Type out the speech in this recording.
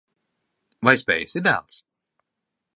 Vai spēsi, dēls?